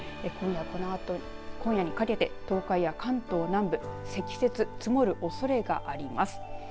このあと今夜にかけて東海や関東南部積雪、積もるおそれがあります。